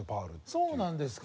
そうなんですか。